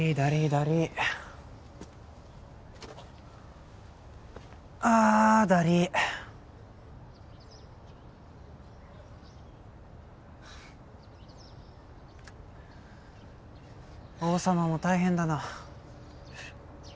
だりい王様も大変だな